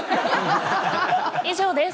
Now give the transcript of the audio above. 以上です。